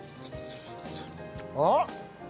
あっ！